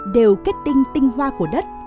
đều kết tinh tinh hoa của đất